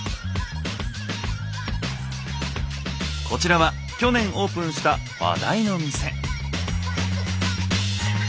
こちらは去年オープンした話題の店。